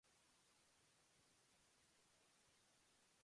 Su primer destino fue en las costas de Granada.